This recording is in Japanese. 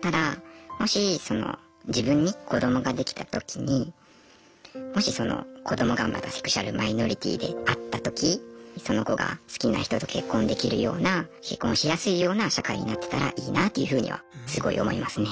ただもし自分に子どもができたときにもしその子どもがまたセクシュアルマイノリティーであったときその子が好きな人と結婚できるような結婚しやすいような社会になってたらいいなというふうにはすごい思いますね。